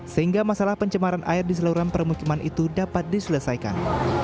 sehingga masalah pencemaran air di seluruhan permukiman itu dapat diselesaikan